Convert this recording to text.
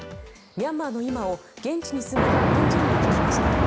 ミャンマーの今を現地に住む日本人に聞きました。